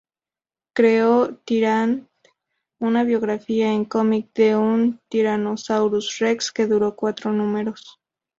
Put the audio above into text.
Creó "Tyrant", una biografía en cómic de un Tyrannosaurus rex, que duró cuatro números.